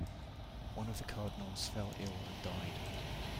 One of the cardinals fell ill and died.